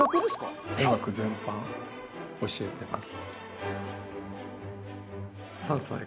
音楽全般教えてます。